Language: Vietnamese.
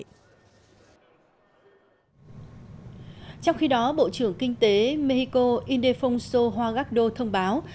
trong khi đó bộ trưởng kinh tế mexico indefonso hualgado thông báo